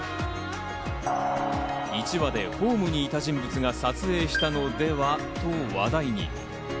１話でホームにいた人物が撮影したのではと話題に。